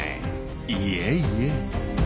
いえいえ。